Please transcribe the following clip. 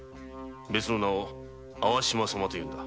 別の名を淡島様と言うんだ。